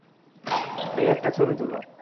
এই একটা ছবি তুলো।